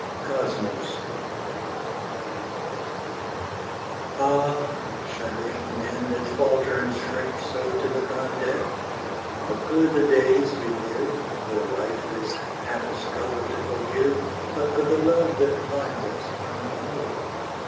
Kosmos Ah, shuddering men that falter and shrink so To look on death, what were the days we live, Where life is half a struggle to forgive, But for the love that finds us when we go?